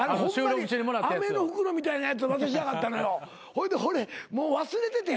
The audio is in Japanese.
ほいで俺もう忘れてて。